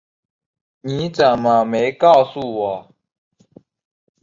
你怎么没告诉我